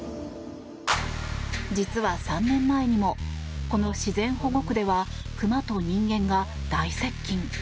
実は３年前にもこの自然保護区ではクマと人間が大接近。